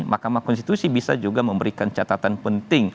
makamah konstitusi bisa juga memberikan catatan penting